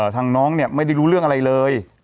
ทางน้องเนี่ยไม่ได้รู้เรื่องอะไรเลย